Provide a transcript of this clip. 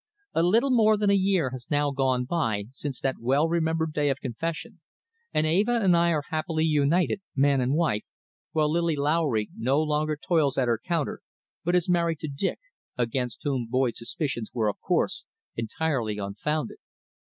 A little more than a year has now gone by since that well remembered day of confession, and Eva and I are happily united man and wife, while Lily Lowry no longer toils at her counter but is married to Dick, against whom Boyd's suspicions were, of course, entirely unfounded.